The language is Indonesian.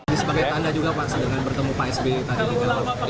ini sebagai tanda juga pak sedangkan bertemu pak sby tadi